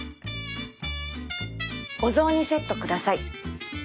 お雑煮セット下さい。